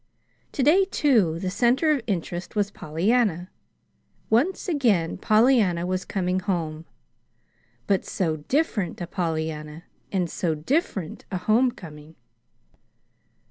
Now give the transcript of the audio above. To day, too, the center of interest was Pollyanna. Once again Pollyanna was coming home but so different a Pollyanna, and so different a homecoming!